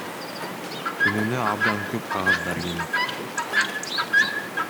Күнүнө абдан көп кагаздар келет.